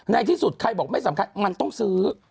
ในที่สุดใครบอกไม่สำคัญมันต้องซื้อ